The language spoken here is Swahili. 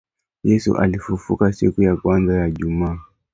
Yesu alifufukaka siku ya kwanza ya juma